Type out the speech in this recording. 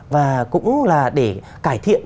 và cũng là để cải thiện